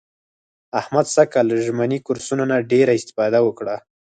احمد سږ کال له ژمني کورسونو نه ډېره اسفاده وکړه.